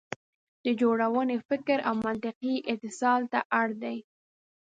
د جوړونې فکر او منطقوي اتصال ته اړ دی.